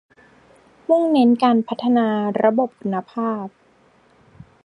มุ่งเน้นการพัฒนาระบบคุณภาพ